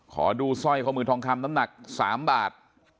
ขอดูสร้อยข้อมือทองคำน้ำหนัก๓บาท